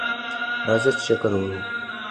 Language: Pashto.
راځه ! چې چکر ووهو